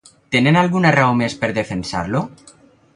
Tenen alguna raó més per defensar-lo?